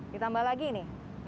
ditambah lagi ini